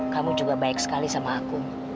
kamu juga baik sekali sama aku